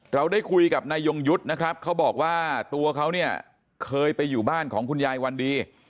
เราได้คุยกับนายยงยุทธ์นะครับเขาบอกว่าตัวเขาเนี่ยเคยไปอยู่บ้านของคุณยายวันดี